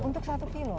untuk satu kilo